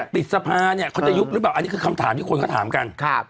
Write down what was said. ปิดสภาเนี่ยเขาจะยุบหรือเปล่าอันนี้คือคำถามที่คนเขาถามกัน